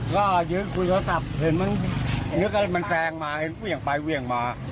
ก็ยืนคุยกฏศัพท์เห็นมันนึกเรื่องมันแซงมาเห็นเวี่ยงไปเวี่ยงมา